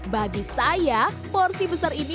bagi saya porsi besar ini sangat menarik